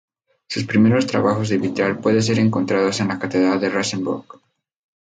Sus primeros trabajos de vitral pueden ser encontrados en la catedral de Regensburg.